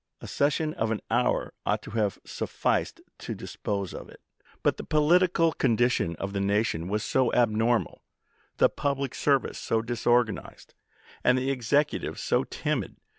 A session of an hour ought to have sufficed to dispose of it, but the political condition of the nation was so abnormal, the public service so disorganized, and the Executive so timid, c.